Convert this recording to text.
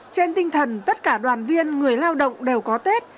trên tinh thần tất cả đoàn viên người lao động đều có tết